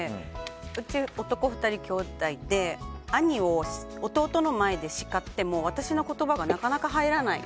うち、男２人の兄弟で兄を弟の前で叱っても私の言葉がなかなか入らない。